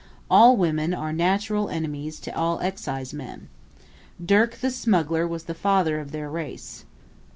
All women are natural enemies to all excise men. Dirk, the Smuggler, was the father of their race.